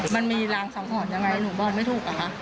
มันมีรางสังหรณ์ยังไงหนูบอกไม่ถูกอะคะ